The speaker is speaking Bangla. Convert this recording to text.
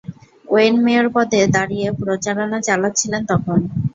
ওয়েন মেয়র পদে দাঁড়িয়ে প্রচারণা চালাচ্ছিলেন তখন।